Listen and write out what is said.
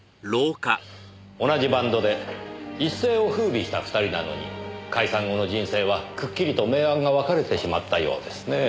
同じバンドで一世を風靡した２人なのに解散後の人生はくっきりと明暗が分かれてしまったようですねえ。